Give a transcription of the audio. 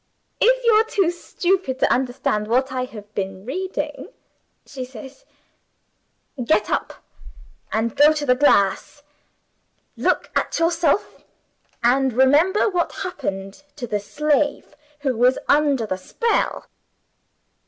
'If you're too stupid to understand what I have been reading,' she says, 'get up and go to the glass. Look at yourself, and remember what happened to the slave who was under the spell.